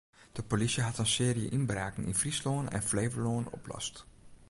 De polysje hat in searje ynbraken yn Fryslân en Flevolân oplost.